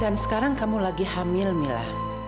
dan sekarang kamu lagi hamil mila